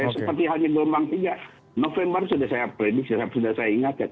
seperti halnya gelombang tiga november sudah saya prediksi sudah saya ingatkan